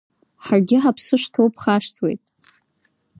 Ҳаргьы ҳаԥсы шҭоу бхашҭуеит!